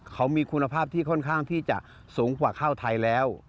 เขามีคุณภาพที่ค่อนข้างที่จะสูงกว่าข้าวไทยแล้ว